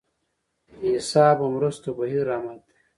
بې حسابو مرستو بهیر رامات دی.